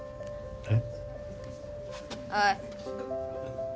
えっ？